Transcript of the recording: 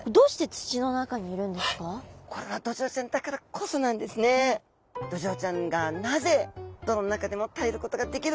これはドジョウちゃんがなぜ泥の中でも耐えることができるか